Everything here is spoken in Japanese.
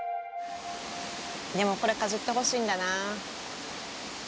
でもこれ、かじってほしいんだな。